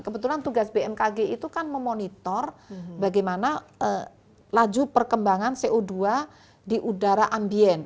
kebetulan tugas bmkg itu kan memonitor bagaimana laju perkembangan co dua di udara ambien